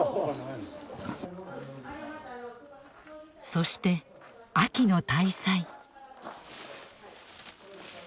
そして秋の大祭。